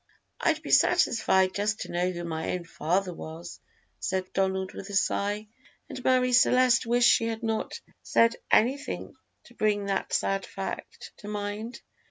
"I'd be satisfied just to know who my own father was," said Donald with a sigh, and Marie Celeste wished she had not said anything to bring that sad fact to mind.